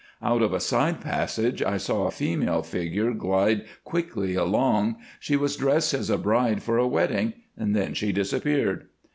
"Out of a side passage I saw a female figure glide quickly along. She was dressed as a bride for a wedding; then she disappeared.